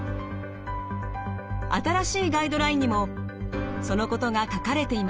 新しいガイドラインにもそのことが書かれていました。